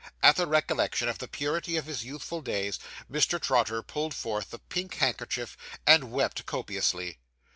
At the recollection of the purity of his youthful days, Mr. Trotter pulled forth the pink handkerchief, and wept copiously.